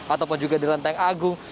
ataupun juga di lenteng agung